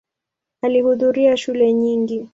Alihudhuria shule nyingi.